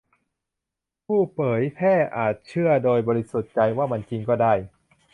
ผู้เผยแพร่อาจเชื่อโดยบริสุทธิ์ใจว่ามันจริงก็ได้